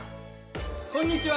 こんにちは。